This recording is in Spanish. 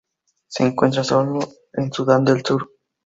Se encuentra sólo en Sudán del Sur.